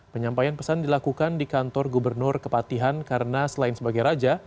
penyampaian pesan dilakukan di kantor gubernur kepatihan karena selain sebagai raja